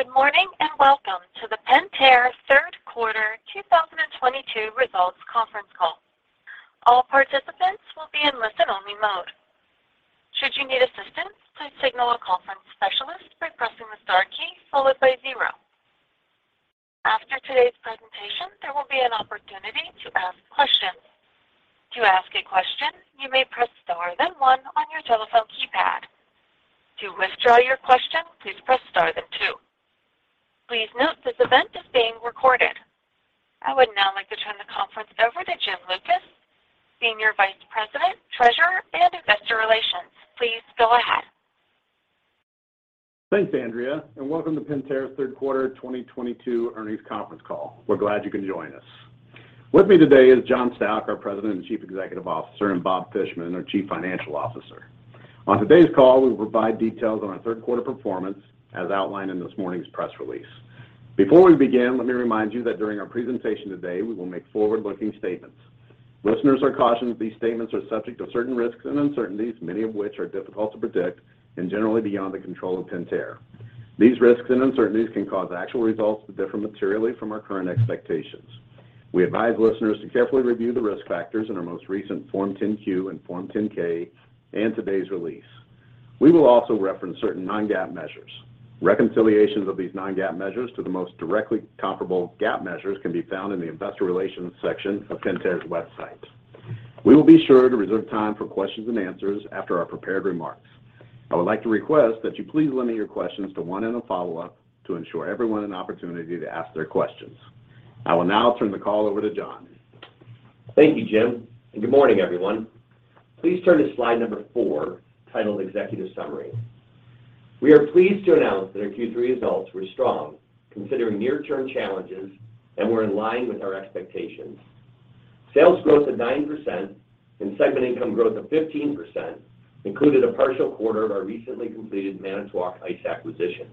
Good morning, and welcome to the Pentair Third Quarter 2022 Results Conference Call. All participants will be in listen-only mode. Should you need assistance, please signal a conference specialist by pressing the star key followed by zero. After today's presentation, there will be an opportunity to ask questions. To ask a question, you may press star then one on your telephone keypad. To withdraw your question, please press star then two. Please note this event is being recorded. I would now like to turn the conference over to Jim Lucas, Senior Vice President, Treasurer, and Investor Relations. Please go ahead. Thanks, Andrea, and welcome to Pentair's Third Quarter 2022 Earnings Conference Call. We're glad you can join us. With me today is John Stauch, our President and Chief Executive Officer, and Bob Fishman, our Chief Financial Officer. On today's call, we'll provide details on our third quarter performance as outlined in this morning's press release. Before we begin, let me remind you that during our presentation today, we will make forward-looking statements. Listeners are cautioned these statements are subject to certain risks and uncertainties, many of which are difficult to predict and generally beyond the control of Pentair. These risks and uncertainties can cause actual results to differ materially from our current expectations. We advise listeners to carefully review the risk factors in our most recent Form 10-Q and Form 10-K and today's release. We will also reference certain non-GAAP measures. Reconciliations of these non-GAAP measures to the most directly comparable GAAP measures can be found in the investor relations section of Pentair's website. We will be sure to reserve time for questions and answers after our prepared remarks. I would like to request that you please limit your questions to one and a follow-up to ensure everyone an opportunity to ask their questions. I will now turn the call over to John. Thank you, Jim, and good morning, everyone. Please turn to slide number 4 titled Executive Summary. We are pleased to announce that our Q3 results were strong considering near-term challenges and were in line with our expectations. Sales growth of 9% and segment income growth of 15% included a partial quarter of our recently completed Manitowoc Ice acquisition.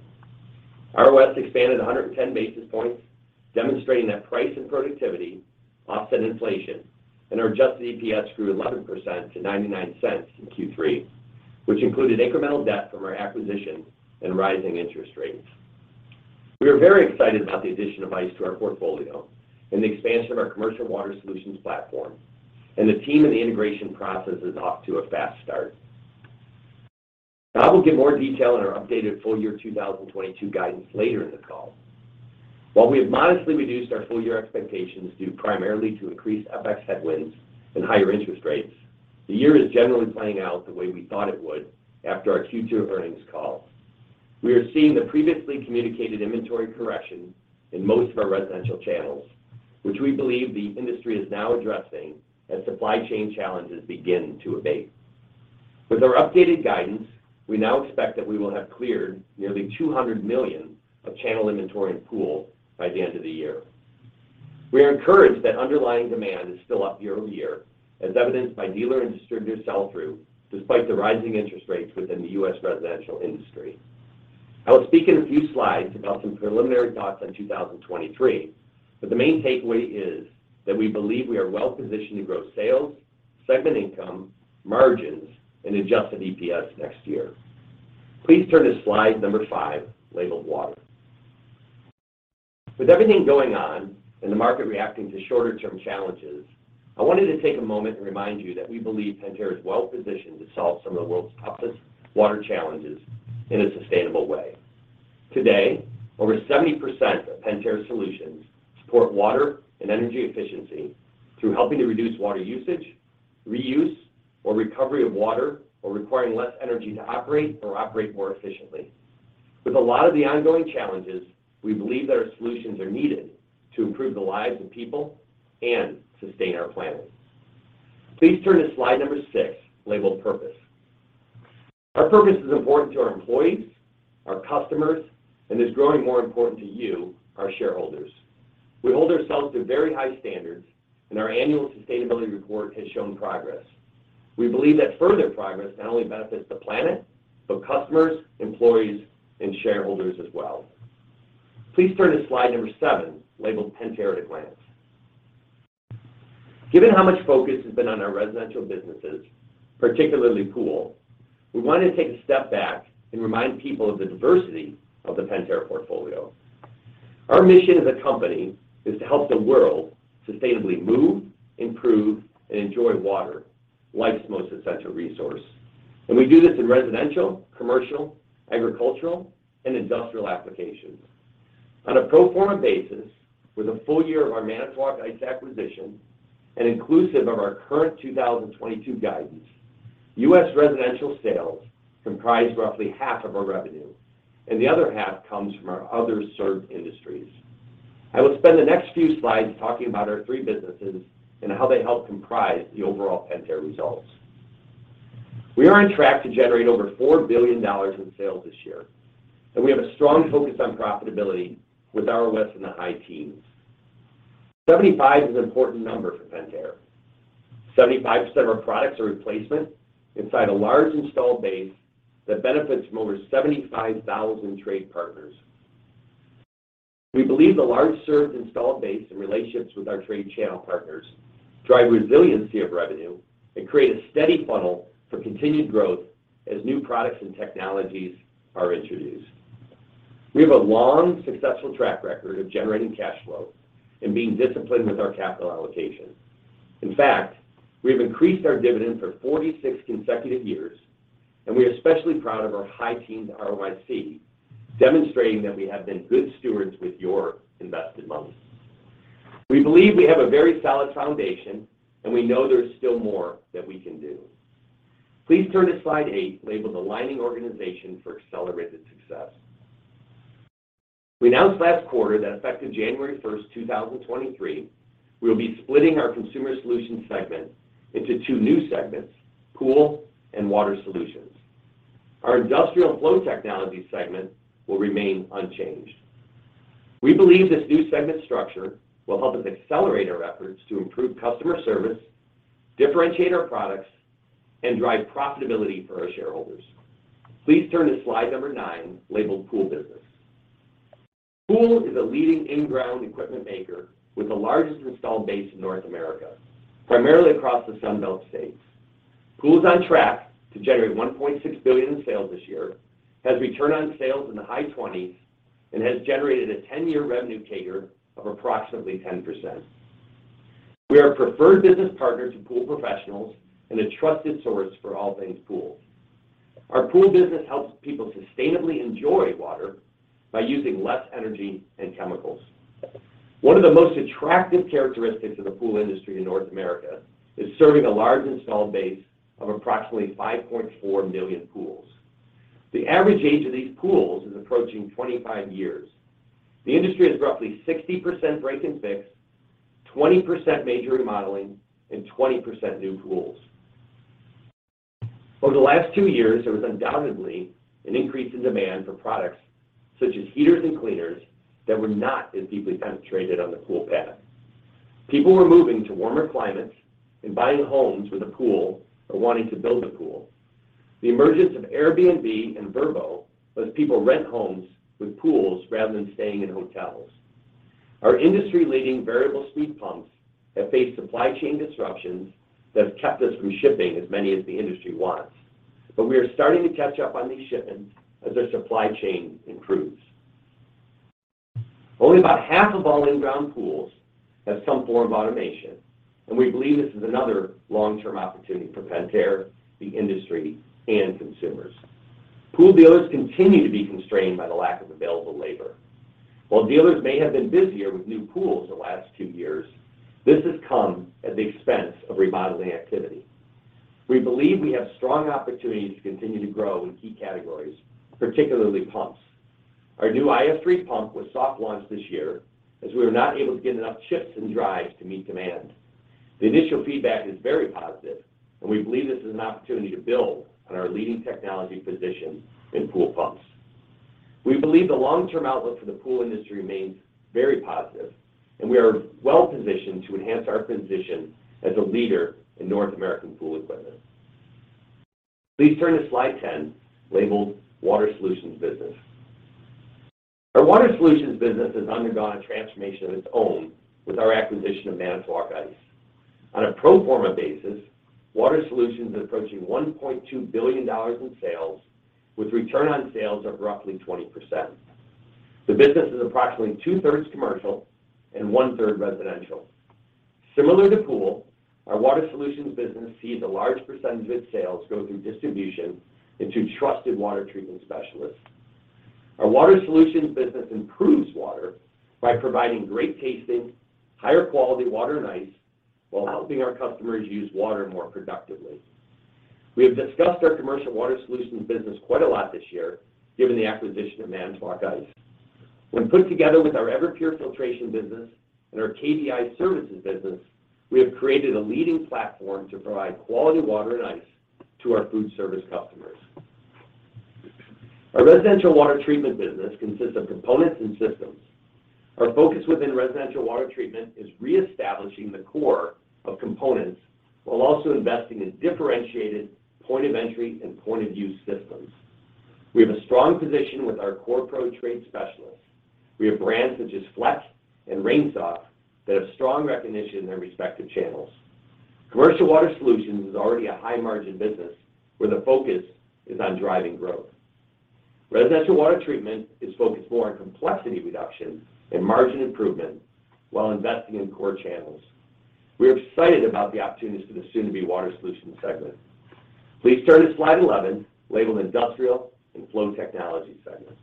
ROS expanded 110 basis points, demonstrating that price and productivity offset inflation and our adjusted EPS grew 11% to $0.99 in Q3, which included incremental debt from our acquisition and rising interest rates. We are very excited about the addition of Ice to our portfolio and the expansion of our Commercial Water Solutions platform, and the team and the integration process is off to a fast start. Now we'll give more detail on our updated full year 2022 guidance later in the call. While we have modestly reduced our full-year expectations due primarily to increased FX headwinds and higher interest rates, the year is generally playing out the way we thought it would after our Q2 earnings call. We are seeing the previously communicated inventory correction in most of our residential channels, which we believe the industry is now addressing as supply chain challenges begin to abate. With our updated guidance, we now expect that we will have cleared nearly $200 million of channel inventory and Pool by the end of the year. We are encouraged that underlying demand is still up year-over-year as evidenced by dealer and distributor sell-through despite the rising interest rates within the U.S. residential industry. I will speak in a few slides about some preliminary thoughts on 2023, but the main takeaway is that we believe we are well positioned to grow sales, segment income, margins, and adjusted EPS next year. Please turn to slide 5, labeled Water. With everything going on and the market reacting to shorter-term challenges, I wanted to take a moment and remind you that we believe Pentair is well positioned to solve some of the world's toughest water challenges in a sustainable way. Today, over 70% of Pentair solutions support water and energy efficiency through helping to reduce water usage, reuse, or recovery of water, or requiring less energy to operate or operate more efficiently. With a lot of the ongoing challenges, we believe that our solutions are needed to improve the lives of people and sustain our planet. Please turn to slide 6, labeled Purpose. Our purpose is important to our employees, our customers, and is growing more important to you, our shareholders. We hold ourselves to very high standards, and our annual sustainability report has shown progress. We believe that further progress not only benefits the planet, but customers, employees, and shareholders as well. Please turn to slide number seven, labeled Pentair at a Glance. Given how much focus has been on our residential businesses, particularly Pool, we want to take a step back and remind people of the diversity of the Pentair portfolio. Our mission as a company is to help the world sustainably move, improve, and enjoy water, life's most essential resource. We do this in residential, commercial, agricultural, and industrial applications. On a pro forma basis with a full year of our Manitowoc Ice acquisition and inclusive of our current 2022 guidance, U.S. residential sales comprise roughly half of our revenue, and the other half comes from our other served industries. I will spend the next few slides talking about our three businesses and how they help comprise the overall Pentair results. We are on track to generate over $4 billion in sales this year, and we have a strong focus on profitability with ROS in the high teens. 75 is an important number for Pentair. 75% of our products are replacement inside a large installed base that benefits from over 75,000 trade partners. We believe the large served installed base and relationships with our trade channel partners drive resiliency of revenue and create a steady funnel for continued growth as new products and technologies are introduced. We have a long, successful track record of generating cash flow and being disciplined with our capital allocation. In fact, we have increased our dividend for 46 consecutive years, and we are especially proud of our high-teen ROIC, demonstrating that we have been good stewards with your invested money. We believe we have a very solid foundation, and we know there is still more that we can do. Please turn to slide 8 labeled Aligning Organization for Accelerated Success. We announced last quarter that effective January 1, 2023, we will be splitting our Consumer Solutions segment into two new segments, Pool and Water Solutions. Our Industrial & Flow Technologies segment will remain unchanged. We believe this new segment structure will help us accelerate our efforts to improve customer service, differentiate our products, and drive profitability for our shareholders. Please turn to slide number 9 labeled Pool Business. Pool is a leading in-ground equipment maker with the largest installed base in North America, primarily across the Sun Belt states. Pool is on track to generate $1.6 billion in sales this year, has return on sales in the high 20s%, and has generated a 10-year revenue CAGR of approximately 10%. We are a preferred business partner to pool professionals and a trusted source for all things pool. Our pool business helps people sustainably enjoy water by using less energy and chemicals. One of the most attractive characteristics of the pool industry in North America is serving a large installed base of approximately 5.4 million pools. The average age of these pools is approaching 25 years. The industry is roughly 60% break and fix, 20% major remodeling, and 20% new pools. Over the last two years, there was undoubtedly an increase in demand for products such as heaters and cleaners that were not as deeply penetrated on the pool path. People were moving to warmer climates and buying homes with a pool or wanting to build a pool. The emergence of Airbnb and Vrbo lets people rent homes with pools rather than staying in hotels. Our industry-leading variable speed pumps have faced supply chain disruptions that have kept us from shipping as many as the industry wants. We are starting to catch up on these shipments as our supply chain improves. Only about half of all in-ground pools have some form of automation, and we believe this is another long-term opportunity for Pentair, the industry, and consumers. Pool dealers continue to be constrained by the lack of available labor. While dealers may have been busier with new pools the last two years, this has come at the expense of remodeling activity. We believe we have strong opportunities to continue to grow in key categories, particularly pumps. Our new IF3 pump was soft launched this year as we were not able to get enough chips and drives to meet demand. The initial feedback is very positive and we believe this is an opportunity to build on our leading technology position in pool pumps. We believe the long-term outlook for the pool industry remains very positive and we are well-positioned to enhance our position as a leader in North American pool equipment. Please turn to slide 10, labeled Water Solutions business. Our Water Solutions business has undergone a transformation of its own with our acquisition of Manitowoc Ice. On a pro forma basis, Water Solutions is approaching $1.2 billion in sales with return on sales of roughly 20%. The business is approximately 2/3 commercial and 1/3 residential. Similar to Pool, our Water Solutions business sees a large percentage of its sales go through distribution and to trusted water treatment specialists. Our Water Solutions business improves water by providing great-tasting, higher-quality water and ice while helping our customers use water more productively. We have discussed our commercial Water Solutions business quite a lot this year, given the acquisition of Manitowoc Ice. When put together with our Everpure filtration business and our KBI services business, we have created a leading platform to provide quality water and ice to our food service customers. Our residential water treatment business consists of components and systems. Our focus within residential water treatment is reestablishing the core of components while also investing in differentiated point-of-entry and point-of-use systems. We have a strong position with our CorePro trade specialists. We have brands such as Fleck and RainSoft that have strong recognition in their respective channels. Commercial Water Solutions is already a high-margin business where the focus is on driving growth. Residential Water Treatment is focused more on complexity reduction and margin improvement while investing in core channels. We are excited about the opportunities for the soon-to-be Water Solutions segment. Please turn to slide 11, labeled Industrial & Flow Technologies Segment.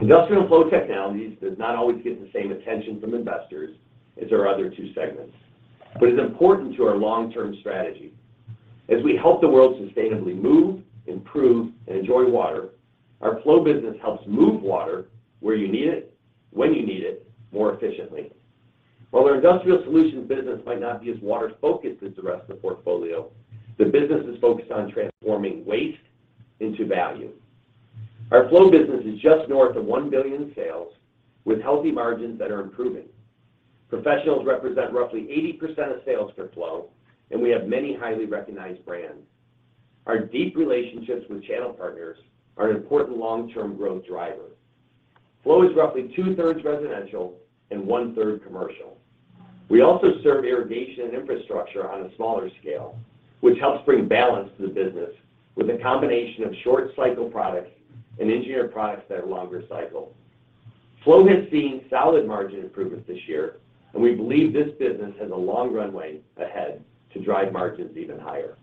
Industrial & Flow Technologies does not always get the same attention from investors as our other two segments, but is important to our long-term strategy. As we help the world sustainably move, improve, and enjoy water, our Flow business helps move water where you need it, when you need it, more efficiently. While our Industrial Solutions business might not be as water-focused as the rest of the portfolio, the business is focused on transforming waste into value. Our Flow business is just north of $1 billion in sales with healthy margins that are improving. Professionals represent roughly 80% of sales for Flow, and we have many highly recognized brands. Our deep relationships with channel partners are an important long-term growth driver. Flow is roughly 2/3 residential and 1/3 commercial. We also serve irrigation and infrastructure on a smaller scale, which helps bring balance to the business with a combination of short cycle products and engineered products that are longer cycle. Flow has seen solid margin improvements this year, and we believe this business has a long runway ahead to drive margins even higher.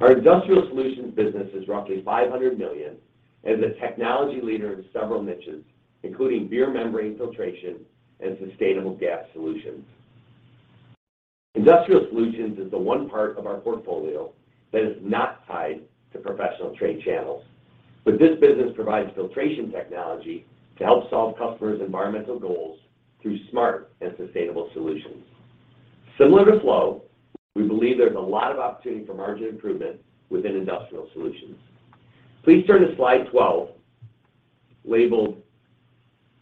Our Industrial Solutions business is roughly $500 million and is a technology leader in several niches, including X-Flow membrane filtration and Sustainable Gas Solutions. Industrial Solutions is the one part of our portfolio that is not tied to professional trade channels, but this business provides filtration technology to help solve customers' environmental goals through smart and sustainable solutions. Similar to Flow, we believe there's a lot of opportunity for margin improvement within Industrial Solutions. Please turn to slide 12, labeled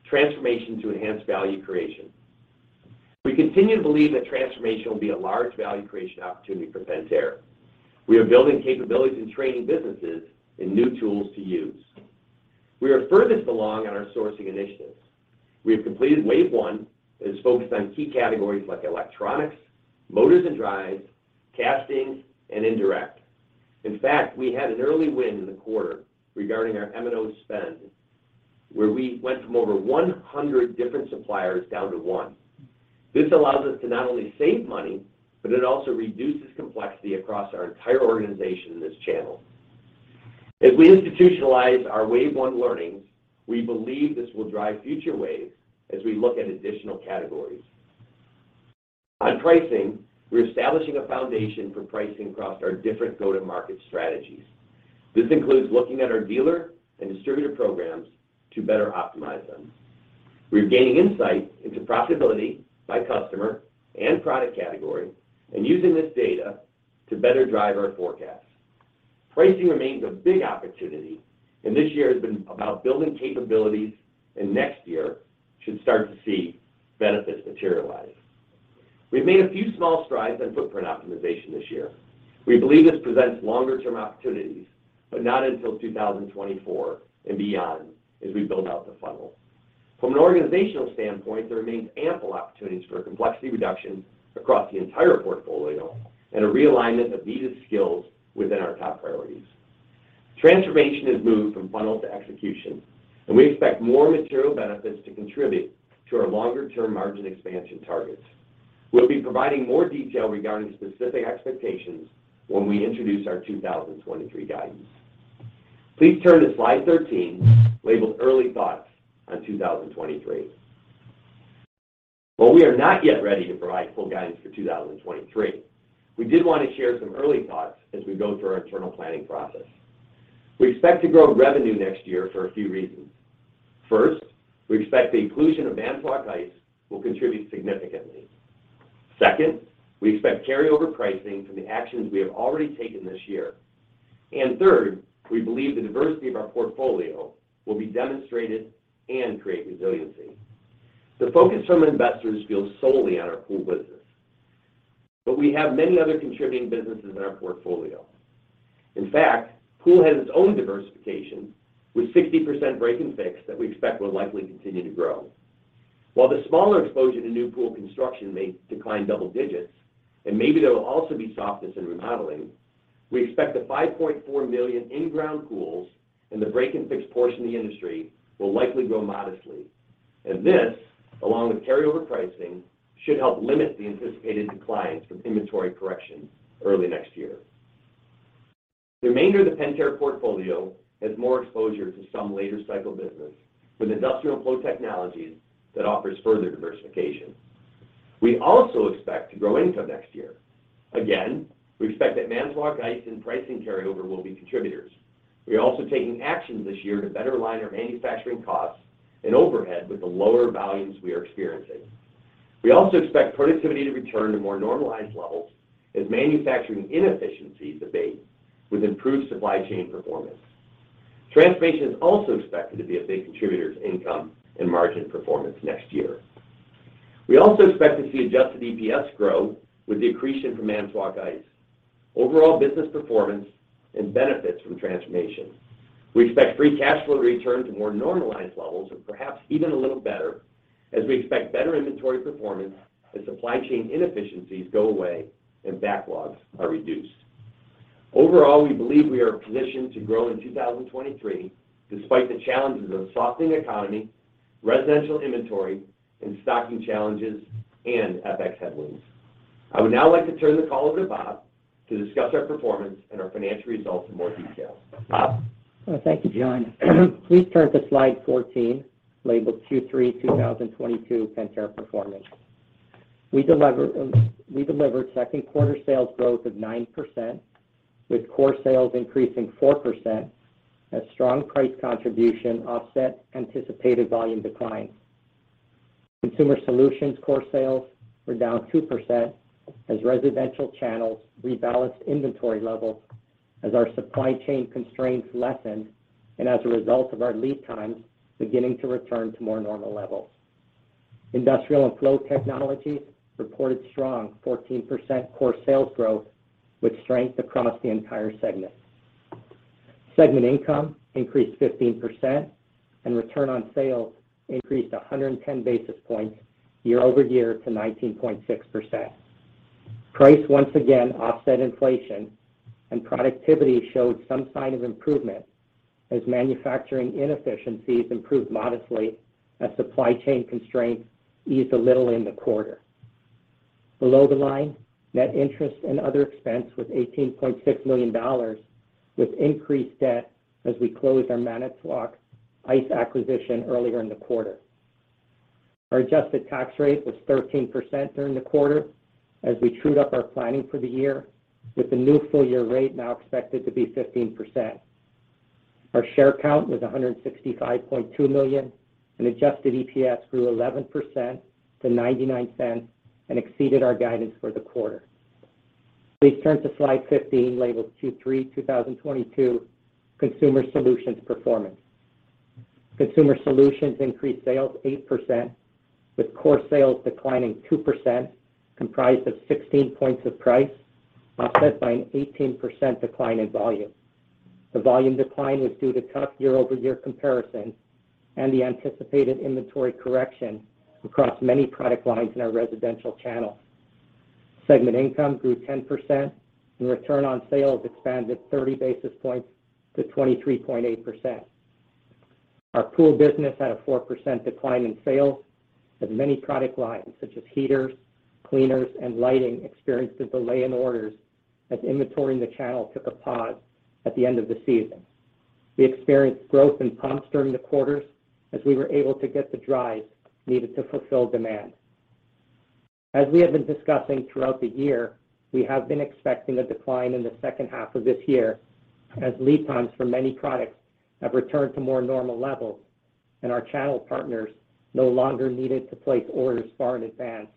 Transformation to Enhance Value Creation. We continue to believe that transformation will be a large value creation opportunity for Pentair. We are building capabilities and training businesses in new tools to use. We are furthest along on our sourcing initiatives. We have completed wave one that is focused on key categories like electronics, motors and drives, casting, and indirect. In fact, we had an early win in the quarter regarding our MRO spend, where we went from over 100 different suppliers down to one. This allows us to not only save money, but it also reduces complexity across our entire organization in this channel. As we institutionalize our wave one learnings, we believe this will drive future waves as we look at additional categories. On pricing, we're establishing a foundation for pricing across our different go-to-market strategies. This includes looking at our dealer and distributor programs to better optimize them. We're gaining insight into profitability by customer and product category and using this data to better drive our forecasts. Pricing remains a big opportunity, and this year has been about building capabilities, and next year should start to see benefits materialize. We've made a few small strides on footprint optimization this year. We believe this presents longer-term opportunities, but not until 2024 and beyond as we build out the funnel. From an organizational standpoint, there remains ample opportunities for complexity reduction across the entire portfolio and a realignment of needed skills within our top priorities. Transformation has moved from funnel to execution, and we expect more material benefits to contribute to our longer-term margin expansion targets. We'll be providing more detail regarding specific expectations when we introduce our 2023 guidance. Please turn to slide 13, labeled Early Thoughts on 2023. While we are not yet ready to provide full guidance for 2023, we did want to share some early thoughts as we go through our internal planning process. We expect to grow revenue next year for a few reasons. First, we expect the inclusion of Manitowoc Ice will contribute significantly. Second, we expect carryover pricing from the actions we have already taken this year. And third, we believe the diversity of our portfolio will be demonstrated and create resiliency. The focus from investors feels solely on our pool business, but we have many other contributing businesses in our portfolio. In fact, pool has its own diversification, with 60% break and fix that we expect will likely continue to grow. While the smaller exposure to new pool construction may decline double digits, and maybe there will also be softness in remodeling, we expect the 5.4 million in-ground pools in the break and fix portion of the industry will likely grow modestly. This, along with carryover pricing, should help limit the anticipated declines from inventory corrections early next year. The remainder of the Pentair portfolio has more exposure to some later cycle business, with Industrial & Flow Technologies that offers further diversification. We also expect to grow income next year. Again, we expect that Manitowoc Ice and pricing carryover will be contributors. We are also taking actions this year to better align our manufacturing costs and overhead with the lower volumes we are experiencing. We also expect productivity to return to more normalized levels as manufacturing inefficiencies abate with improved supply chain performance. Transformation is also expected to be a big contributor to income and margin performance next year. We also expect to see adjusted EPS grow with the accretion from Manitowoc Ice, overall business performance, and benefits from transformation. We expect free cash flow to return to more normalized levels, and perhaps even a little better, as we expect better inventory performance as supply chain inefficiencies go away and backlogs are reduced. Overall, we believe we are positioned to grow in 2023 despite the challenges of softening economy, residential inventory, and stocking challenges, and FX headwinds. I would now like to turn the call over to Bob to discuss our performance and our financial results in more detail. Bob? Thank you, John. Please turn to slide 14, labeled Q3 2022 Pentair Performance. We delivered second quarter sales growth of 9%, with core sales increasing 4% as strong price contribution offset anticipated volume declines. Consumer Solutions core sales were down 2% as residential channels rebalanced inventory levels as our supply chain constraints lessened and as a result of our lead times beginning to return to more normal levels. Industrial & Flow Technologies reported strong 14% core sales growth with strength across the entire segment. Segment income increased 15% and return on sales increased 110 basis points year-over-year to 19.6%. Price once again offset inflation and productivity showed some sign of improvement as manufacturing inefficiencies improved modestly as supply chain constraints eased a little in the quarter. Below the line, net interest and other expense was $18.6 million with increased debt as we closed our Manitowoc Ice acquisition earlier in the quarter. Our adjusted tax rate was 13% during the quarter as we trued up our planning for the year with the new full year rate now expected to be 15%. Our share count was 165.2 million, and adjusted EPS grew 11%-$0.99 and exceeded our guidance for the quarter. Please turn to slide 15, labeled Q3 2022 Consumer Solutions Performance. Consumer Solutions increased sales 8% with core sales declining 2%, comprised of 16 points of price, offset by an 18% decline in volume. The volume decline was due to tough year-over-year comparisons and the anticipated inventory correction across many product lines in our residential channel. Segment income grew 10% and return on sales expanded 30 basis points to 23.8%. Our Pool business had a 4% decline in sales as many product lines such as heaters, cleaners, and lighting experienced a delay in orders as inventory in the channel took a pause at the end of the season. We experienced growth in pumps during the quarters as we were able to get the drives needed to fulfill demand. As we have been discussing throughout the year, we have been expecting a decline in the second half of this year as lead times for many products have returned to more normal levels and our channel partners no longer needed to place orders far in advance.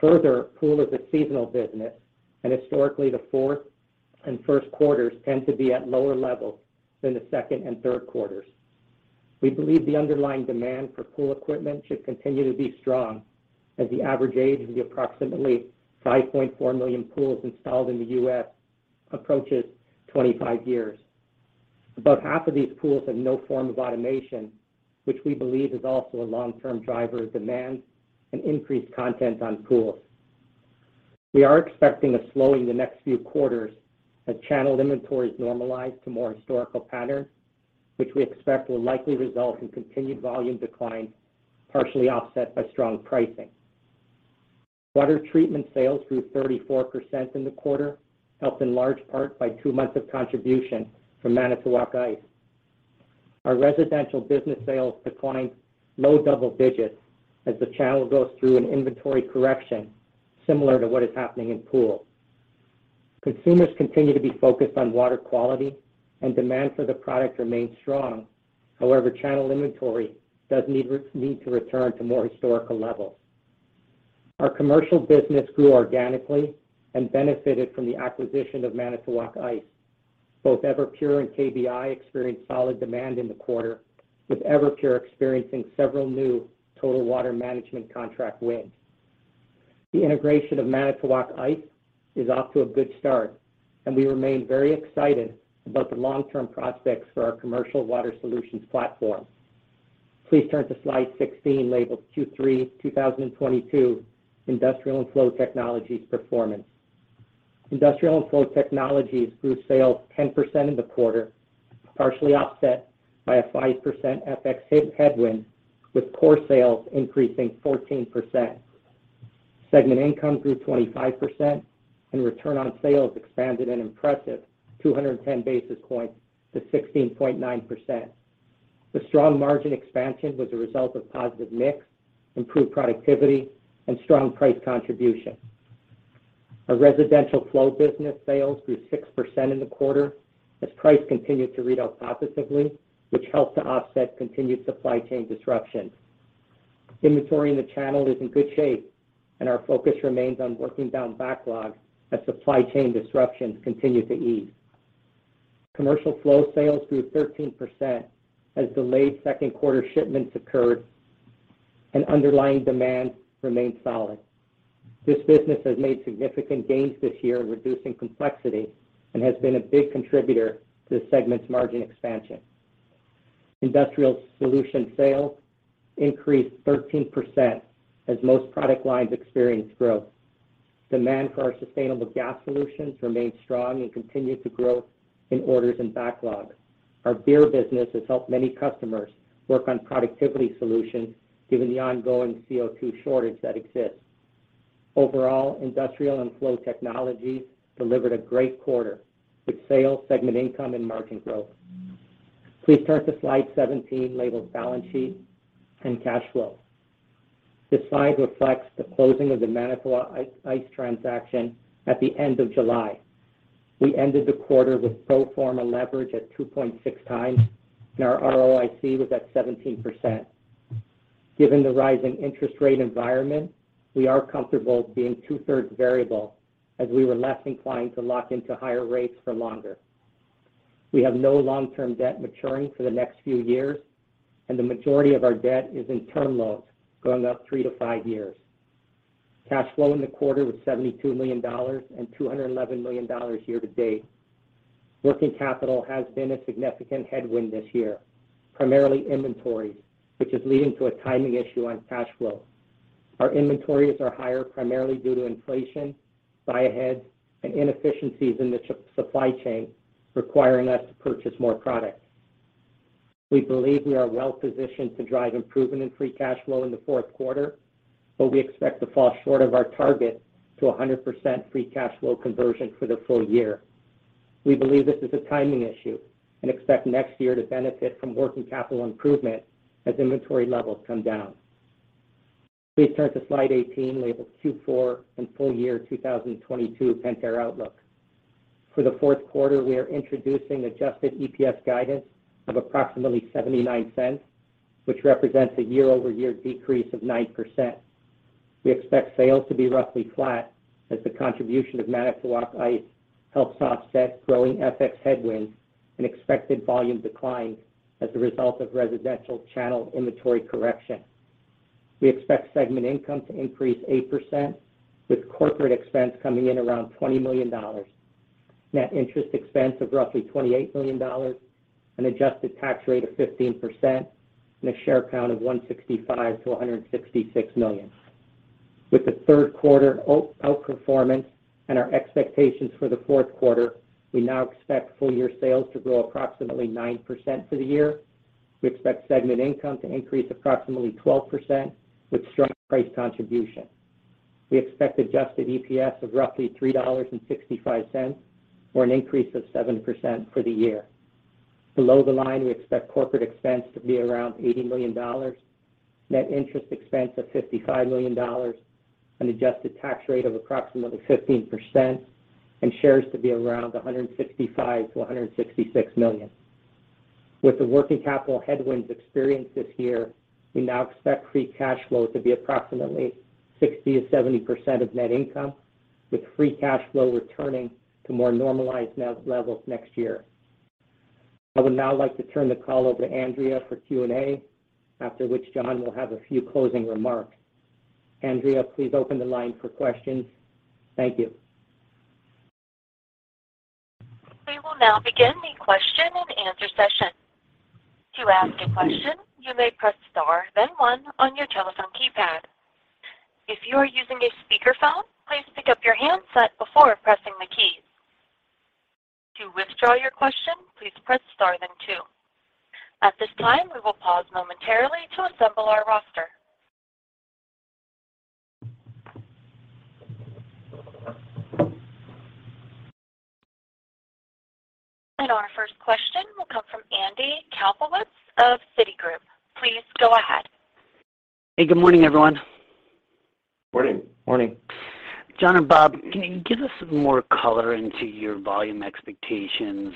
Further, Pool is a seasonal business and historically the fourth and first quarters tend to be at lower levels than the second and third quarters. We believe the underlying demand for pool equipment should continue to be strong as the average age of the approximately 5.4 million pools installed in the U.S. approaches 25 years. About half of these pools have no form of automation, which we believe is also a long-term driver of demand and increased content on pools. We are expecting a slowdown in the next few quarters as channel inventories normalize to more historical patterns, which we expect will likely result in continued volume decline, partially offset by strong pricing. Water treatment sales grew 34% in the quarter, helped in large part by 2 months of contribution from Manitowoc Ice. Our residential business sales declined low double digits as the channel goes through an inventory correction similar to what is happening in pool. Consumers continue to be focused on water quality and demand for the product remains strong. However, channel inventory does need to return to more historical levels. Our commercial business grew organically and benefited from the acquisition of Manitowoc Ice. Both Everpure and KBI experienced solid demand in the quarter, with Everpure experiencing several new total water management contract wins. The integration of Manitowoc Ice is off to a good start and we remain very excited about the long-term prospects for our Commercial Water Solutions platform. Please turn to slide 16, labeled Q3 2022 Industrial & Flow Technologies Performance. Industrial & Flow Technologies grew sales 10% in the quarter, partially offset by a 5% FX headwind, with core sales increasing 14%. Segment income grew 25% and return on sales expanded an impressive 210 basis points to 16.9%. The strong margin expansion was a result of positive mix, improved productivity and strong price contribution. Our residential flow business sales grew 6% in the quarter as price continued to read out positively, which helped to offset continued supply chain disruptions. Inventory in the channel is in good shape and our focus remains on working down backlogs as supply chain disruptions continue to ease. Commercial flow sales grew 13% as delayed second quarter shipments occurred and underlying demand remained solid. This business has made significant gains this year in reducing complexity and has been a big contributor to the segment's margin expansion. Industrial Solution sales increased 13% as most product lines experienced growth. Demand for our Sustainable Gas Solutions remained strong and continued to grow in orders and backlogs. Our Beverage business has helped many customers work on productivity solutions given the ongoing CO2 shortage that exists. Overall, Industrial & Flow Technologies delivered a great quarter with sales, segment income and margin growth. Please turn to slide 17, labeled Balance Sheet and Cash Flow. This slide reflects the closing of the Manitowoc Ice transaction at the end of July. We ended the quarter with pro forma leverage at 2.6x, and our ROIC was at 17%. Given the rising interest rate environment, we are comfortable being 2/3 variable as we were less inclined to lock into higher rates for longer. We have no long-term debt maturing for the next few years, and the majority of our debt is in term loans going up 3-5 years. Cash flow in the quarter was $72 million and $211 million year to date. Working capital has been a significant headwind this year, primarily inventory, which is leading to a timing issue on cash flow. Our inventories are higher primarily due to inflation, buy ahead, and inefficiencies in the supply chain requiring us to purchase more product. We believe we are well positioned to drive improvement in free cash flow in the fourth quarter, but we expect to fall short of our target to 100% free cash flow conversion for the full year. We believe this is a timing issue and expect next year to benefit from working capital improvement as inventory levels come down. Please turn to slide 18, labeled Q4 and full year 2022 Pentair outlook. For the fourth quarter, we are introducing adjusted EPS guidance of approximately $0.79, which represents a year-over-year decrease of 9%. We expect sales to be roughly flat as the contribution of Manitowoc Ice helps offset growing FX headwinds and expected volume decline as a result of residential channel inventory correction. We expect segment income to increase 8% with corporate expense coming in around $20 million. Net interest expense of roughly $28 million, an adjusted tax rate of 15%, and a share count of $165-$166 million. With the third quarter outperformance and our expectations for the fourth quarter, we now expect full year sales to grow approximately 9% for the year. We expect segment income to increase approximately 12% with strong price contribution. We expect adjusted EPS of roughly $3.65 or an increase of 7% for the year. Below the line, we expect corporate expense to be around $80 million, net interest expense of $55 million, an adjusted tax rate of approximately 15%, and shares to be around $165-$166 million. With the working capital headwinds experienced this year, we now expect free cash flow to be approximately 60%-70% of net income, with free cash flow returning to more normalized levels next year. I would now like to turn the call over to Andrea for Q&A, after which John will have a few closing remarks. Andrea, please open the line for questions. Thank you. We will now begin the question and answer session. To ask a question, you may press star, then one on your telephone keypad. If you are using a speaker phone, please pick up your handset before pressing the keys. To withdraw your question, please press star then two. At this time, we will pause momentarily to assemble our roster. Our first question will come from Andy Kaplowitz of Citigroup. Please go ahead. Hey, good morning, everyone. Morning. Morning. John and Bob, can you give us some more color into your volume expectations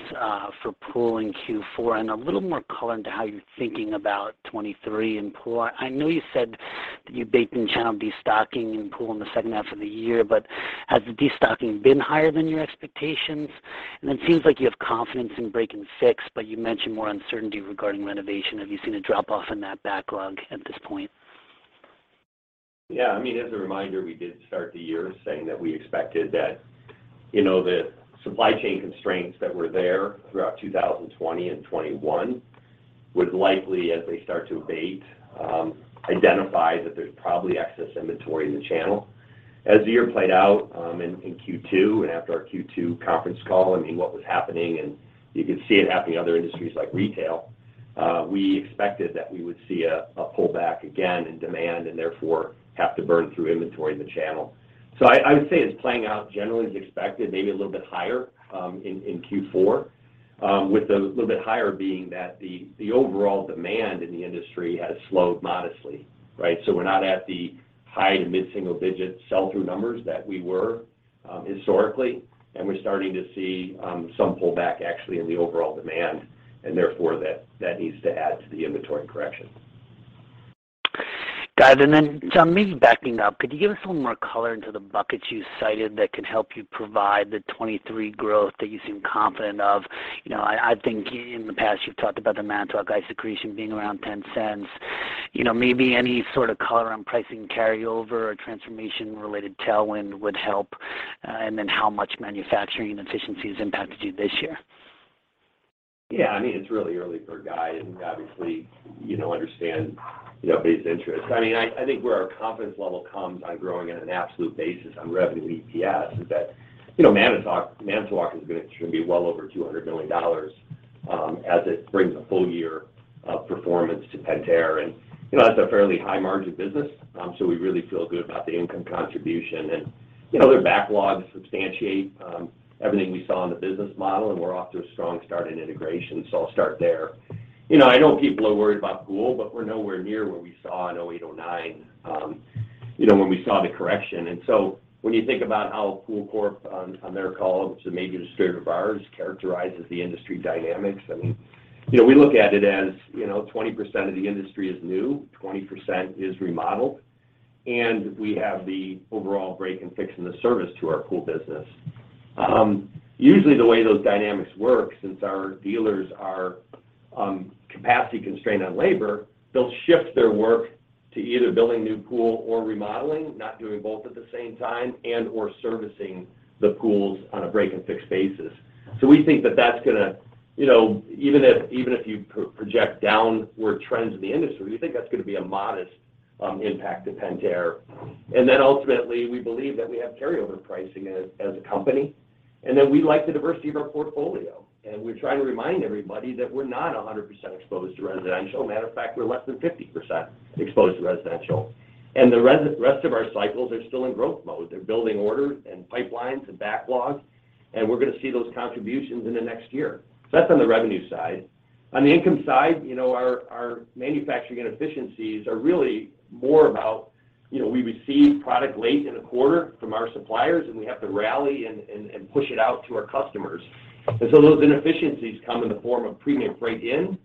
for Pool in Q4 and a little more color into how you're thinking about 2023 in Pool? I know you said that you're baking channel destocking in Pool in the second half of the year, but has the destocking been higher than your expectations? It seems like you have confidence in break and fix, but you mentioned more uncertainty regarding renovation. Have you seen a drop off in that backlog at this point? Yeah. I mean, as a reminder, we did start the year saying that we expected that, you know, the supply chain constraints that were there throughout 2020 and 2021 would likely, as they start to abate, identify that there's probably excess inventory in the channel. As the year played out, in Q2 and after our Q2 conference call, I mean, what was happening, and you could see it happening in other industries like retail, we expected that we would see a pullback again in demand and therefore have to burn through inventory in the channel. I would say it's playing out generally as expected, maybe a little bit higher, in Q4. With the little bit higher being that the overall demand in the industry has slowed modestly, right? We're not at the high- to mid-single-digit sell-through numbers that we were historically, and we're starting to see some pullback actually in the overall demand, and therefore that needs to add to the inventory correction. Got it. John, maybe backing up, could you give us a little more color into the buckets you cited that can help you provide the 2023 growth that you seem confident of? You know, I think in the past you've talked about the Manitowoc Ice accretion being around $0.10. You know, maybe any sort of color on pricing carryover or transformation related tailwind would help, and then how much manufacturing and efficiency has impacted you this year? Yeah, I mean, it's really early for a guide and obviously, you know, understand, you know, base case. I mean, I think where our confidence level comes on growing at an absolute basis on revenue and EPS is that, you know, Manitowoc is gonna be well over $200 million, as it brings a full year of performance to Pentair. You know, that's a fairly high margin business, so we really feel good about the income contribution. You know, their backlogs substantiate everything we saw in the business model, and we're off to a strong start in integration. I'll start there. You know, I know people are worried about pool, but we're nowhere near where we saw in 2008, 2009, you know, when we saw the correction. when you think about how Pool Corp on their call, which is a major distributor of ours, characterizes the industry dynamics, I mean, you know, we look at it as, you know, 20% of the industry is new, 20% is remodeled. We have the overall break and fix in the service to our pool business. Usually the way those dynamics work, since our dealers are capacity constrained on labor, they'll shift their work to either building new pool or remodeling, not doing both at the same time, and/or servicing the pools on a break-and-fix basis. We think that that's gonna, you know, even if you project downward trends in the industry, we think that's gonna be a modest impact to Pentair. Ultimately, we believe that we have carryover pricing as a company, and that we like the diversity of our portfolio. We're trying to remind everybody that we're not 100% exposed to residential. Matter of fact, we're less than 50% exposed to residential. The rest of our cycles are still in growth mode. They're building orders and pipelines and backlogs, and we're gonna see those contributions in the next year. That's on the revenue side. On the income side, you know, our manufacturing inefficiencies are really more about, you know, we receive product late in the quarter from our suppliers, and we have to rally and push it out to our customers. Those inefficiencies come in the form of premium freight in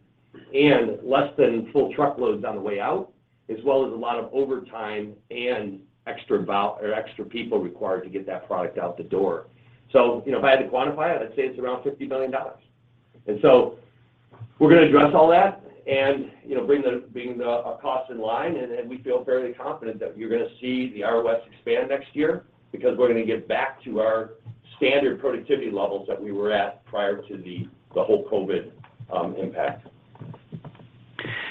and less than full truckloads on the way out, as well as a lot of overtime and extra people required to get that product out the door. You know, if I had to quantify it, I'd say it's around $50 billion. We're gonna address all that and, you know, bring our costs in line, and we feel fairly confident that you're gonna see the ROS expand next year because we're gonna get back to our standard productivity levels that we were at prior to the whole COVID impact.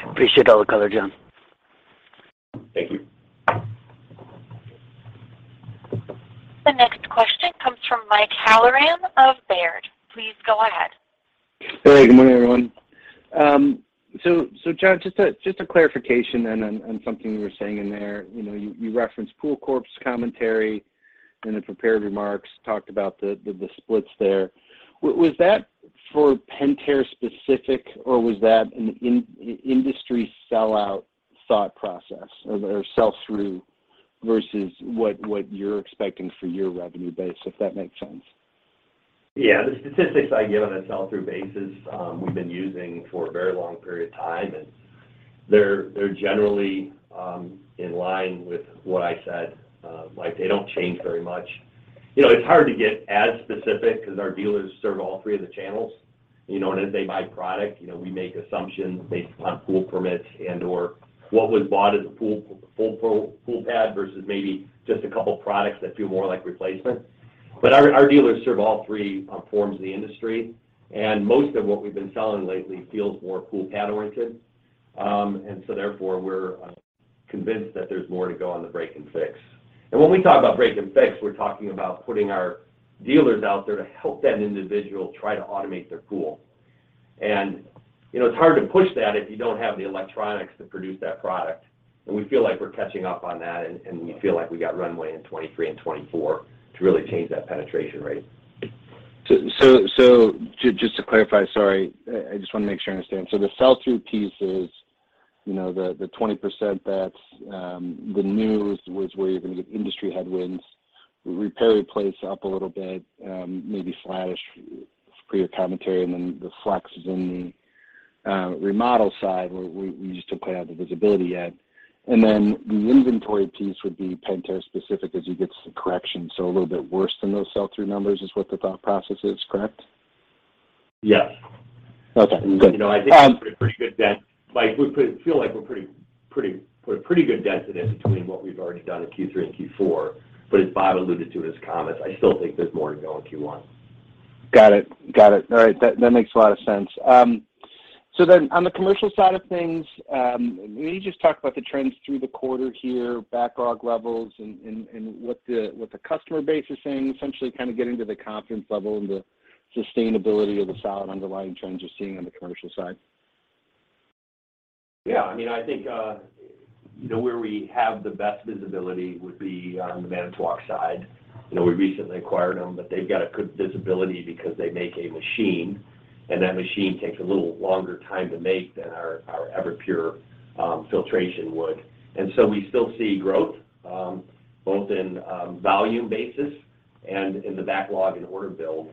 Appreciate all the color, John. Thank you. The next question comes from Mike Halloran of Baird. Please go ahead. Hey, good morning, everyone. John, just a clarification on something you were saying in there. You referenced Pool Corp's commentary in the prepared remarks, talked about the splits there. Was that for Pentair specific, or was that an in-industry sellout thought process or sell-through versus what you're expecting for your revenue base, if that makes sense? Yeah. The statistics I give on a sell-through basis, we've been using for a very long period of time, and they're generally in line with what I said. Mike, they don't change very much. You know, it's hard to get as specific because our dealers serve all three of the channels, you know, and as they buy product, you know, we make assumptions based upon pool permits and/or what was bought as a pool pad versus maybe just a couple products that feel more like replacement. Our dealers serve all three forms of the industry, and most of what we've been selling lately feels more pool pad oriented. Therefore, we're convinced that there's more to go on the break and fix. When we talk about break and fix, we're talking about putting our dealers out there to help that individual try to automate their pool. You know, it's hard to push that if you don't have the electronics to produce that product, and we feel like we're catching up on that, and we feel like we got runway in 2023 and 2024 to really change that penetration rate. Just to clarify, sorry. I just wanna make sure I understand. The sell-through piece is, you know, the 20% that's the newswires where you're gonna get industry headwinds, repair/replace up a little bit, maybe flattish for your commentary, and then the flex is in the remodel side where we just don't have the visibility yet. The inventory piece would be Pentair specific as you get to the correction, so a little bit worse than those sell-through numbers is what the thought process is. Correct? Yes. Okay. Good. You know, I think we put a pretty good dent. Mike, put a pretty good dent in it between what we've already done in Q3 and Q4, but as Bob alluded to in his comments, I still think there's more to go in Q1. Got it. Got it. All right. That makes a lot of sense. On the commercial side of things, will you just talk about the trends through the quarter here, backlog levels, and what the customer base is saying, essentially kind of get into the confidence level and the sustainability of the solid underlying trends you're seeing on the commercial side? Yeah. I mean, I think, you know, where we have the best visibility would be the Manitowoc side. You know, we recently acquired them, but they've got a good visibility because they make a machine, and that machine takes a little longer time to make than our Everpure filtration would. We still see growth both in volume basis and in the backlog and order build.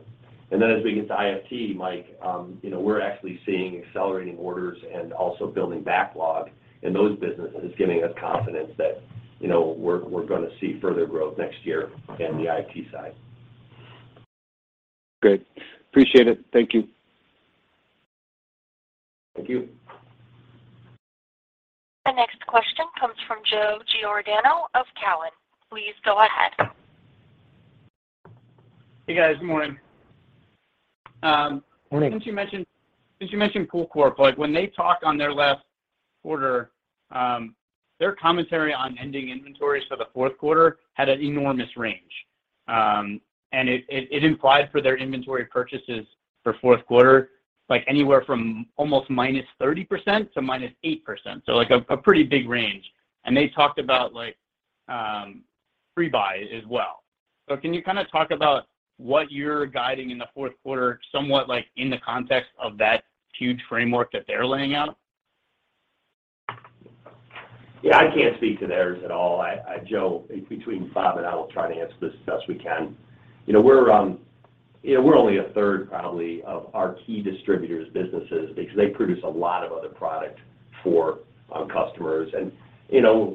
Then as we get to IFT, Mike, you know, we're actually seeing accelerating orders and also building backlog in those businesses is giving us confidence that, you know, we're gonna see further growth next year in the IFT side. Great. Appreciate it. Thank you. Thank you. The next question comes from Joe Giordano of Cowen. Please go ahead. Hey, guys. Morning. Morning. Since you mentioned Pool Corp, like, when they talked on their last quarter, their commentary on ending inventories for the fourth quarter had an enormous range. It implied for their inventory purchases for fourth quarter, like anywhere from almost -30% to -8%, so like a pretty big range. They talked about, like, pre-buy as well. Can you kinda talk about what you're guiding in the fourth quarter somewhat like in the context of that huge framework that they're laying out? Yeah. I can't speak to theirs at all. I Joe, between Bob and I, we'll try to answer this as best we can. You know, we're, You know, we're only a third probably of our key distributors' businesses because they produce a lot of other product for our customers. You know,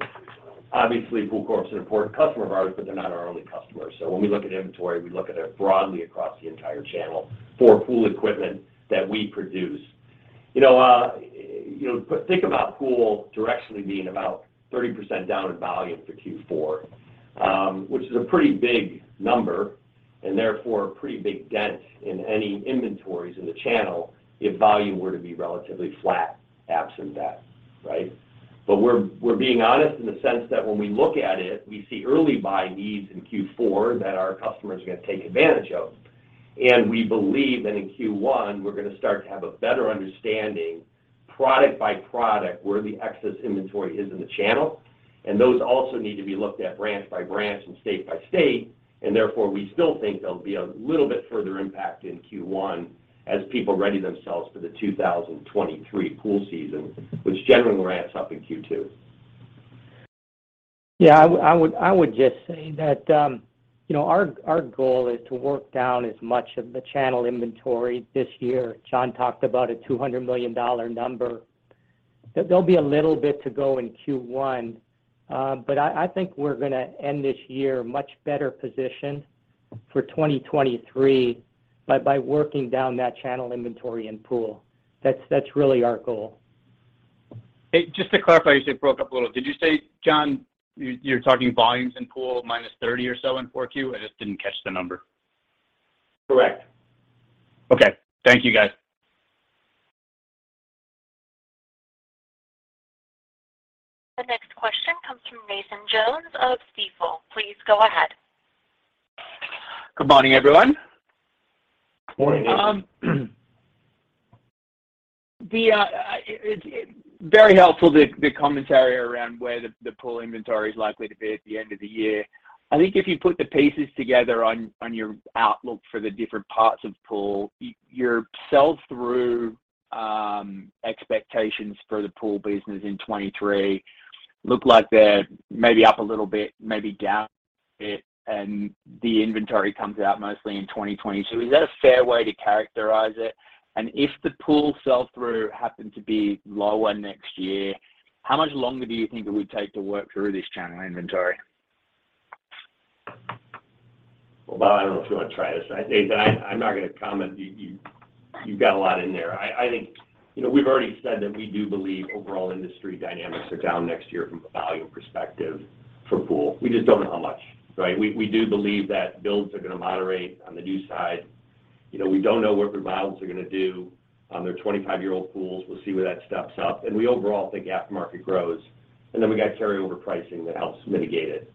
obviously, Pool Corp's an important customer of ours, but they're not our only customer. When we look at inventory, we look at it broadly across the entire channel for Pool equipment that we produce. You know, you know, but think about Pool directionally being about 30% down in volume for Q4, which is a pretty big number, and therefore a pretty big dent in any inventories in the channel if volume were to be relatively flat absent that, right? We're being honest in the sense that when we look at it, we see early buy needs in Q4 that our customers are gonna take advantage of. We believe that in Q1, we're gonna start to have a better understanding product by product where the excess inventory is in the channel, and those also need to be looked at branch by branch and state by state, and therefore, we still think there'll be a little bit further impact in Q1 as people ready themselves for the 2023 pool season, which generally ramps up in Q2. Yeah. I would just say that, you know, our goal is to work down as much of the channel inventory this year. John talked about a $200 million number. There'll be a little bit to go in Q1, but I think we're gonna end this year much better positioned for 2023 by working down that channel inventory in pool. That's really our goal. Hey, just to clarify, you said broke up a little. Did you say, John, you're talking volumes in Pool -30 or so in 4Q? I just didn't catch the number. Correct. Okay. Thank you, guys. The next question comes from Nathan Jones of Stifel. Please go ahead. Good morning, everyone. Morning, Nathan. Very helpful, the commentary around where the Pool inventory is likely to be at the end of the year. I think if you put the pieces together on your outlook for the different parts of Pool, your sell-through expectations for the Pool business in 2023 look like they're maybe up a little bit, maybe down a bit, and the inventory comes out mostly in 2022. Is that a fair way to characterize it? If the Pool sell-through happened to be lower next year, how much longer do you think it would take to work through this channel inventory? Well, Bob, I don't know if you wanna try this. Nathan, I'm not gonna comment. You've got a lot in there. I think, you know, we've already said that we do believe overall industry dynamics are down next year from a volume perspective for Pool. We just don't know how much, right? We do believe that builds are gonna moderate on the new side. You know, we don't know what remodels are gonna do on their 25-year-old pools. We'll see where that steps up. We overall think aftermarket grows, and then we got carryover pricing that helps mitigate it.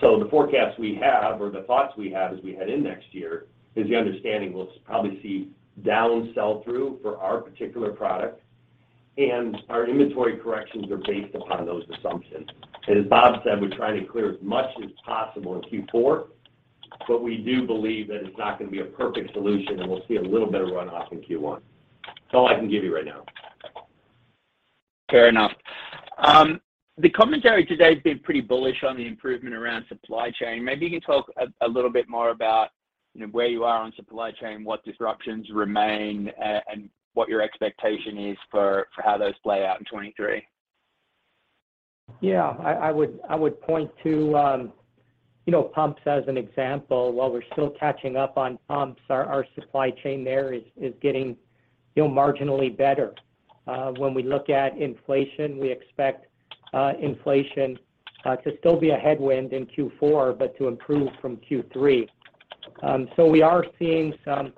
So the forecast we have or the thoughts we have as we head in next year is the understanding we'll probably see down sell-through for our particular product, and our inventory corrections are based upon those assumptions. As Bob said, we're trying to clear as much as possible in Q4, but we do believe that it's not gonna be a perfect solution, and we'll see a little bit of runoff in Q1. That's all I can give you right now. Fair enough. The commentary today has been pretty bullish on the improvement around supply chain. Maybe you can talk a little bit more about, you know, where you are on supply chain, what disruptions remain, and what your expectation is for how those play out in 2023. Yeah. I would point to, you know, pumps as an example. While we're still catching up on pumps, our supply chain there is getting, you know, marginally better. When we look at inflation, we expect inflation to still be a headwind in Q4, but to improve from Q3. We are seeing some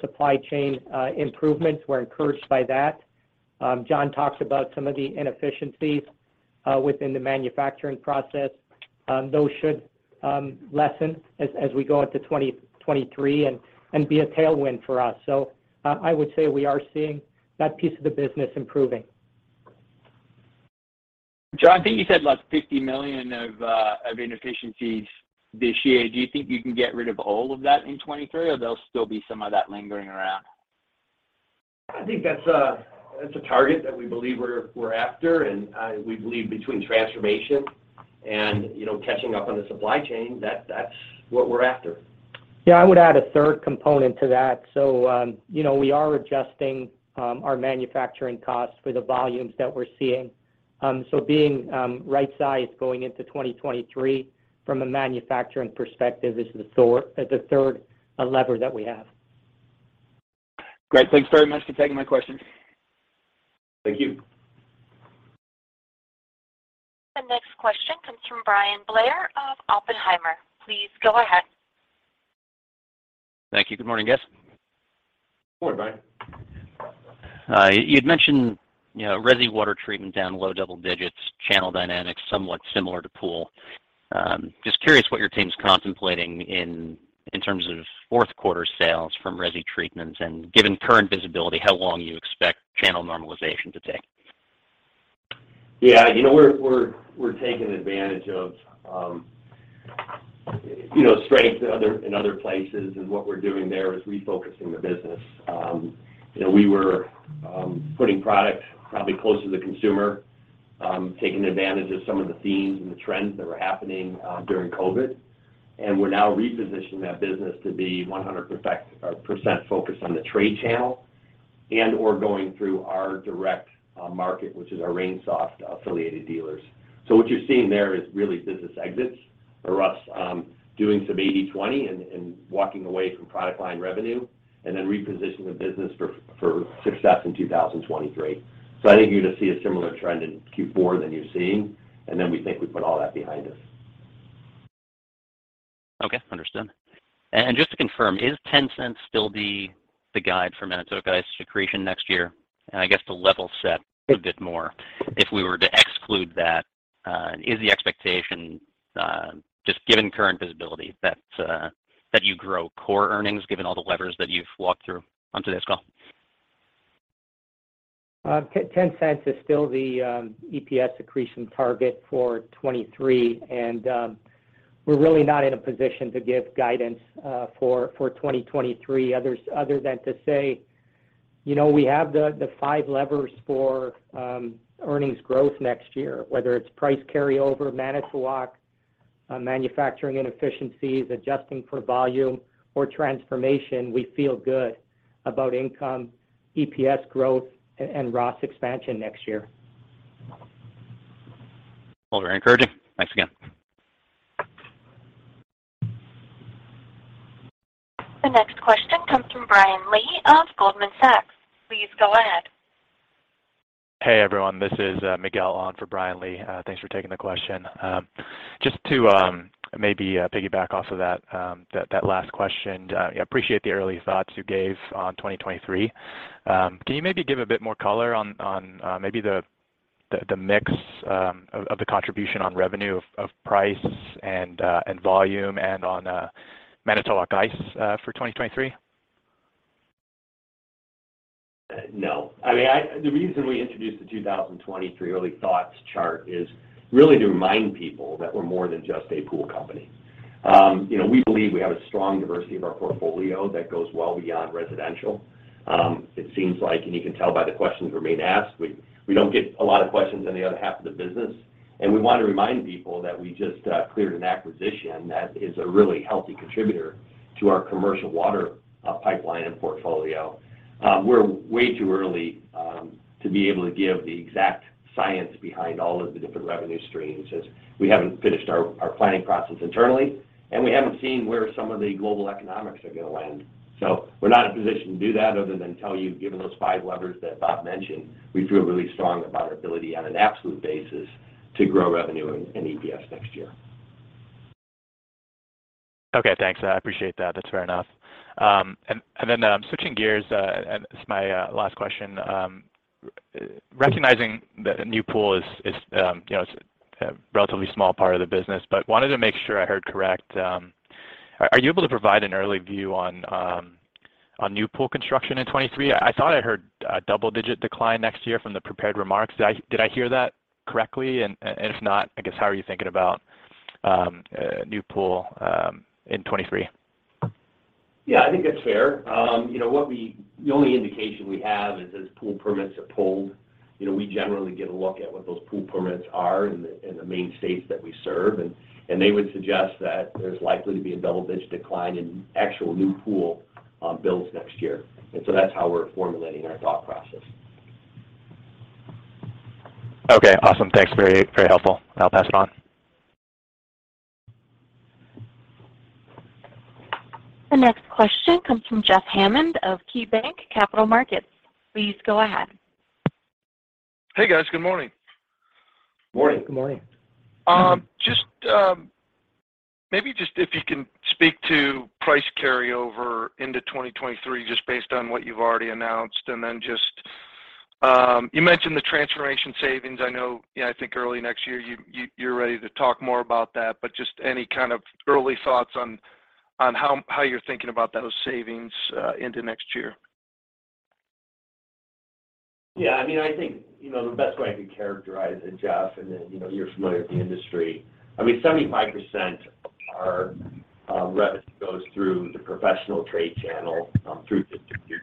supply chain improvements. We're encouraged by that. John talked about some of the inefficiencies within the manufacturing process. Those should lessen as we go into 2023 and be a tailwind for us. I would say we are seeing that piece of the business improving. John, I think you said, like, $50 million of inefficiencies this year. Do you think you can get rid of all of that in 2023, or there'll still be some of that lingering around? I think that's a target that we believe we're after, and we believe between transformation and, you know, catching up on the supply chain, that's what we're after. I would add a third component to that. You know, we are adjusting our manufacturing costs for the volumes that we're seeing. Being right sized going into 2023 from a manufacturing perspective is the third lever that we have. Great. Thanks very much for taking my questions. Thank you. The next question comes from Bryan Blair of Oppenheimer. Please go ahead. Thank you. Good morning, guys. Good morning, Brian. You'd mentioned, you know, resi water treatment down low double digits, channel dynamics somewhat similar to pool. Just curious what your team's contemplating in terms of fourth quarter sales from resi treatments and given current visibility, how long you expect channel normalization to take. Yeah. You know, we're taking advantage of, you know, strength in other places, and what we're doing there is refocusing the business. You know, we were putting product probably closer to the consumer, taking advantage of some of the themes and the trends that were happening during COVID. We're now repositioning that business to be 100% focused on the trade channel and/or going through our direct market, which is our RainSoft-affiliated dealers. What you're seeing there is really business exits or us doing some 80/20 and walking away from product line revenue and then repositioning the business for success in 2023. I think you're gonna see a similar trend in Q4 than you're seeing, and then we think we put all that behind us. Okay. Understood. Just to confirm, is $0.10 still the guide for Manitowoc Ice accretion next year? I guess to level set a bit more, if we were to exclude that, is the expectation, just given current visibility that you grow core earnings given all the levers that you've walked through on today's call? $0.10 is still the EPS accretion target for 2023. We're really not in a position to give guidance for 2023 other than to say, you know, we have the five levers for earnings growth next year. Whether it's price carryover, Manitowoc, manufacturing inefficiencies, adjusting for volume, or transformation, we feel good about income, EPS growth, and ROS expansion next year. Well, very encouraging. Thanks again. The next question comes from Brian Lee of Goldman Sachs. Please go ahead. Hey, everyone, this is Miguel on for Brian Lee. Thanks for taking the question. Just to maybe piggyback off of that last question. I appreciate the early thoughts you gave on 2023. Can you maybe give a bit more color on maybe the mix of the contribution on revenue of price and volume and on Manitowoc Ice for 2023? No. I mean, the reason we introduced the 2023 early thoughts chart is really to remind people that we're more than just a pool company. You know, we believe we have a strong diversity of our portfolio that goes well beyond residential. It seems like, and you can tell by the questions we're being asked, we don't get a lot of questions on the other half of the business. We want to remind people that we just cleared an acquisition that is a really healthy contributor to our commercial water pipeline and portfolio. We're way too early to be able to give the exact science behind all of the different revenue streams, as we haven't finished our planning process internally, and we haven't seen where some of the global economics are gonna land. We're not in a position to do that other than tell you, given those five levers that Bob mentioned, we feel really strong about our ability on an absolute basis to grow revenue and EPS next year. Okay, thanks. I appreciate that. That's fair enough. Switching gears, this is my last question. Recognizing that new pool is you know, it's a relatively small part of the business, but wanted to make sure I heard correctly. Are you able to provide an early view on new pool construction in 2023? I thought I heard a double-digit decline next year from the prepared remarks. Did I hear that correctly? If not, I guess, how are you thinking about new pool in 2023? Yeah, I think that's fair. The only indication we have is as pool permits are pulled, you know, we generally get a look at what those pool permits are in the main states that we serve. They would suggest that there's likely to be a double-digit decline in actual new pool builds next year. That's how we're formulating our thought process. Okay, awesome. Thanks. Very, very helpful. I'll pass it on. The next question comes from Jeff Hammond of KeyBanc Capital Markets. Please go ahead. Hey, guys. Good morning. Morning. Good morning. Maybe just if you can speak to price carryover into 2023, just based on what you've already announced, and then just. You mentioned the transformation savings. I know, you know, I think early next year, you're ready to talk more about that. Just any kind of early thoughts on how you're thinking about those savings into next year? Yeah, I mean, I think, you know, the best way I can characterize it, Jeff, and then, you know, you're familiar with the industry, I mean, 75% of our revenue goes through the professional trade channel through distributors.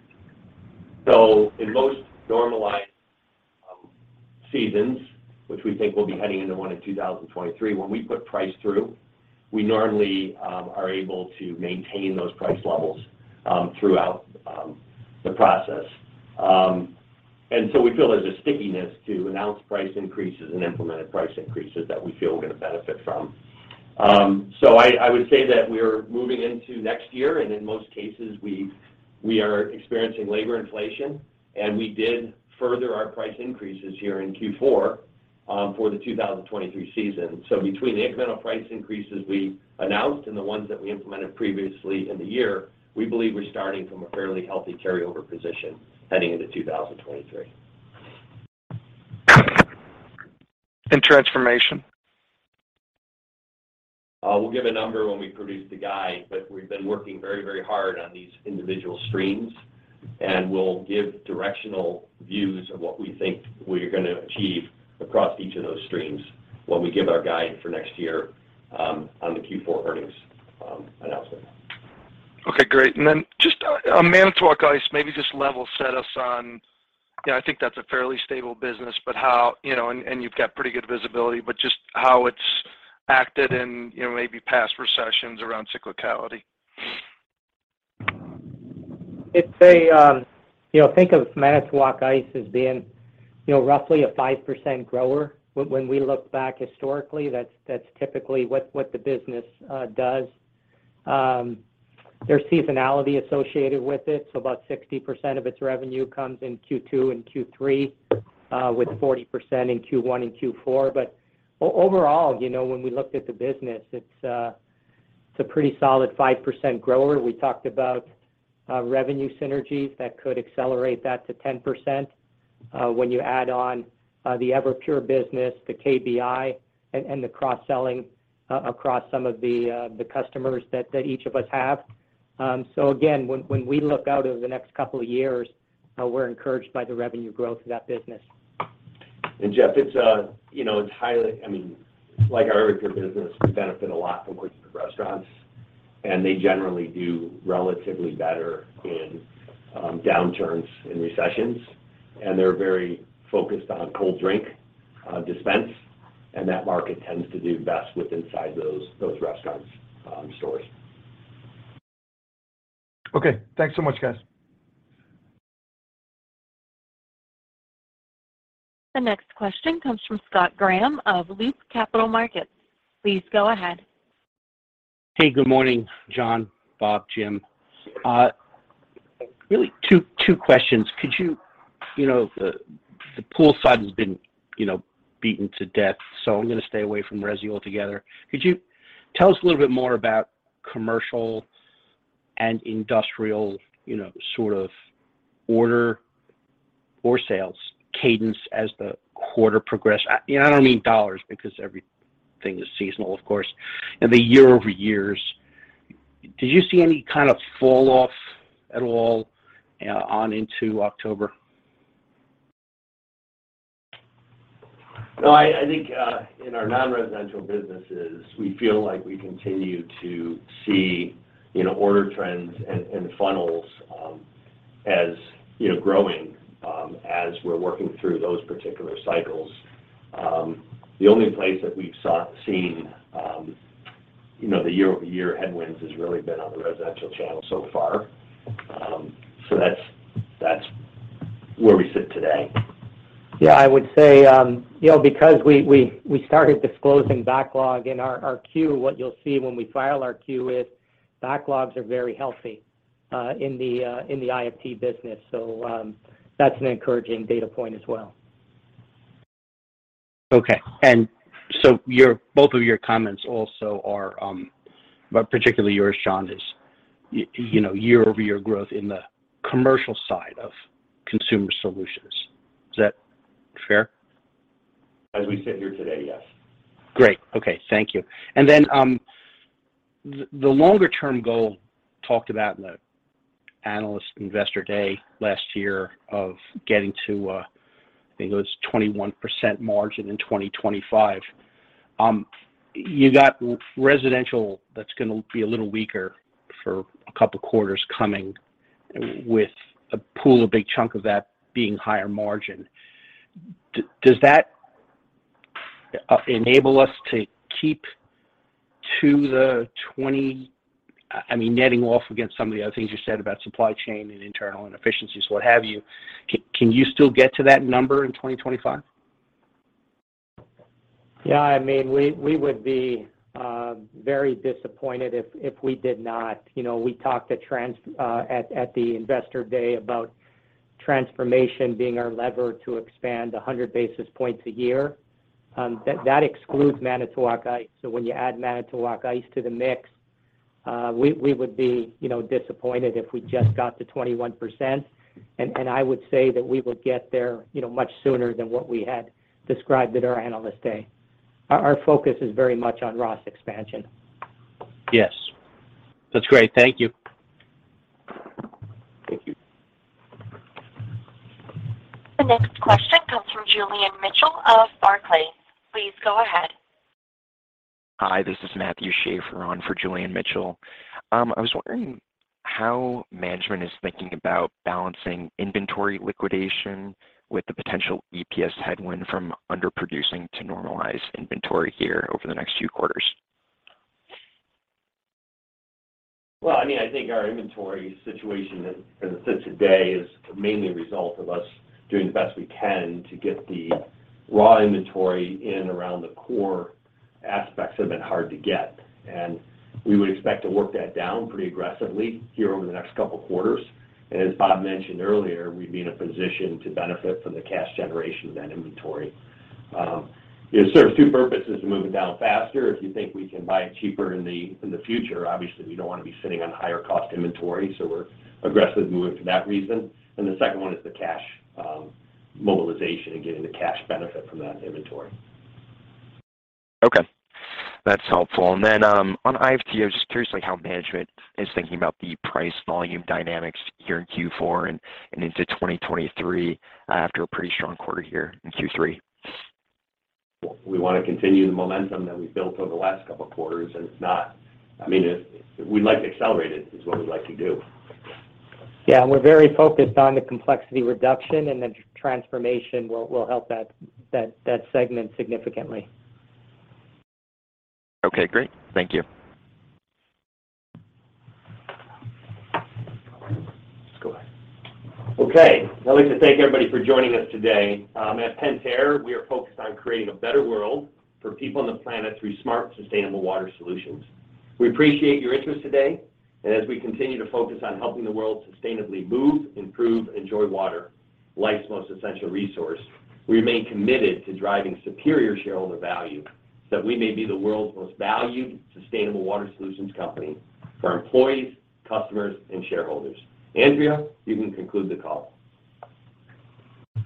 In most normalized seasons, which we think we'll be heading into one in 2023, when we put price through, we normally are able to maintain those price levels throughout the process. We feel there's a stickiness to announced price increases and implemented price increases that we feel we're gonna benefit from. I would say that we're moving into next year, and in most cases, we are experiencing labor inflation, and we did further our price increases here in Q4 for the 2023 season. Between the incremental price increases we announced and the ones that we implemented previously in the year, we believe we're starting from a fairly healthy carryover position heading into 2023. Transformation? We'll give a number when we produce the guide, but we've been working very, very hard on these individual streams. We'll give directional views of what we think we're gonna achieve across each of those streams when we give our guide for next year, on the Q4 earnings announcement. Okay, great. Then just Manitowoc Ice, maybe just level set us on, you know, I think that's a fairly stable business, but how, you know, you've got pretty good visibility, but just how it's acted in, you know, maybe past recessions around cyclicality. It's, you know, think of Manitowoc Ice as being, you know, roughly a 5% grower. When we look back historically, that's typically what the business does. There's seasonality associated with it, so about 60% of its revenue comes in Q2 and Q3, with 40% in Q1 and Q4. Overall, you know, when we looked at the business, it's a pretty solid 5% grower. We talked about revenue synergies that could accelerate that to 10%, when you add on the Everpure business, the KBI, and the cross-selling across some of the customers that each of us have. Again, when we look out over the next couple of years, we're encouraged by the revenue growth of that business. Jeff, it's, you know, it's highly. I mean, like our Everpure business, we benefit a lot from quick service restaurants, and they generally do relatively better in downturns in recessions. They're very focused on cold drink dispensing, and that market tends to do best within those restaurants, stores. Okay. Thanks so much, guys. The next question comes from Scott Graham of Loop Capital Markets. Please go ahead. Hey, good morning, John, Bob, Jim. Really two questions. Could you know, the pool side has been, you know, beaten to death, so I'm gonna stay away from resi altogether. Could you tell us a little bit more about commercial and industrial, you know, sort of order or sales cadence as the quarter progressed? I, you know, I don't mean dollars because everything is seasonal, of course. In the year-over-year, did you see any kind of fall off at all, on into October? No, I think in our non-residential businesses, we feel like we continue to see, you know, order trends and funnels as, you know, growing as we're working through those particular cycles. The only place that we've seen, you know, the year-over-year headwinds has really been on the residential channel so far. That's where we sit today. Yeah, I would say, you know, because we started disclosing backlog in our Q, what you'll see when we file our Q is backlogs are very healthy in the IFT business. That's an encouraging data point as well. Both of your comments also are, but particularly yours, John, is you know, year-over-year growth in the commercial side of Consumer Solutions. Is that fair? As we sit here today, yes. Great. Okay. Thank you. The longer term goal talked about in the analyst investor day last year of getting to, I think it was 21% margin in 2025. You got residential that's gonna be a little weaker for a couple quarters coming with the Pool, a big chunk of that being higher margin. Does that enable us, I mean, netting off against some of the other things you said about supply chain and internal inefficiencies, what have you. Can you still get to that number in 2025? Yeah, I mean, we would be very disappointed if we did not. You know, we talked at the investor day about transformation being our lever to expand 100 basis points a year. That excludes Manitowoc Ice. So when you add Manitowoc Ice to the mix, we would be, you know, disappointed if we just got to 21%. I would say that we will get there, you know, much sooner than what we had described at our analyst day. Our focus is very much on ROS expansion. Yes. That's great. Thank you. Thank you. The next question comes from Julian Mitchell of Barclays. Please go ahead. Hi, this is Matthew Schaefer on for Julian Mitchell. I was wondering how management is thinking about balancing inventory liquidation with the potential EPS headwind from underproducing to normalize inventory here over the next few quarters? Well, I mean, I think our inventory situation as it sits today is mainly a result of us doing the best we can to get the raw inventory in around the core aspects that have been hard to get. We would expect to work that down pretty aggressively here over the next couple quarters. As Bob mentioned earlier, we'd be in a position to benefit from the cash generation of that inventory. It serves two purposes to move it down faster. If you think we can buy it cheaper in the future, obviously, we don't wanna be sitting on higher cost inventory, so we're aggressive moving for that reason. The second one is the cash mobilization and getting the cash benefit from that inventory. Okay. That's helpful. On IFT, I was just curious, like, how management is thinking about the price volume dynamics here in Q4 and into 2023 after a pretty strong quarter here in Q3. We wanna continue the momentum that we've built over the last couple quarters, and I mean, we'd like to accelerate it, is what we'd like to do. Yeah, we're very focused on the complexity reduction, and the transformation will help that segment significantly. Okay, great. Thank you. Let's go ahead. Okay. I'd like to thank everybody for joining us today. At Pentair, we are focused on creating a better world for people on the planet through smart, sustainable water solutions. We appreciate your interest today, and as we continue to focus on helping the world sustainably move, improve, enjoy water, life's most essential resource, we remain committed to driving superior shareholder value, so we may be the world's most valued, sustainable water solutions company for employees, customers, and shareholders. Andrea, you can conclude the call. The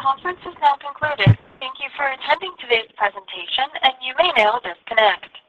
conference is now concluded. Thank you for attending today's presentation, and you may now disconnect.